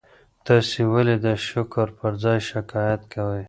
تاسي ولي د شکر پر ځای شکایت کوئ؟